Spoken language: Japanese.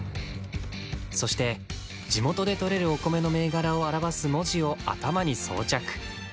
そして地元でとれるお米の銘柄を表す文字を頭に装着。